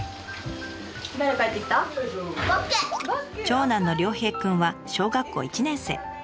長男の凌平くんは小学校１年生。